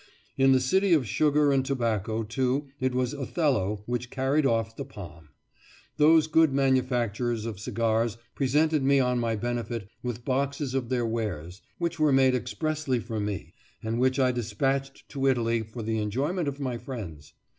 In the city of sugar and tobacco, too, it was "Othello" which carried off the palm. Those good manufacturers of cigars presented me on my benefit with boxes of their wares, which were made expressly for me, and which I dispatched to Italy for the enjoyment of my friends.